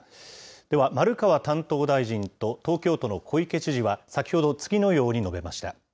では、丸川担当大臣と東京都の小池知事は、先ほど次のように述べました。